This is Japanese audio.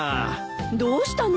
どうしたの？